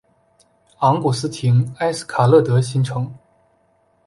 昂古斯廷埃斯卡勒德新城。